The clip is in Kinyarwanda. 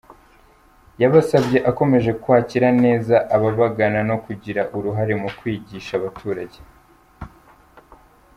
Yabasabye akomeje kwakira neza ababagana, no kugira uruhare mu kwigisha abaturage.